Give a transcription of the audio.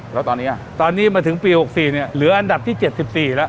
แล้วตอนนี้ตอนนี้มาถึงปีหกสี่เนี้ยเหลืออันดับที่เจ็ดสิบสี่แล้ว